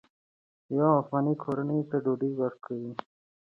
یوه افغاني کورنۍ ته ډوډۍ ورکوئ.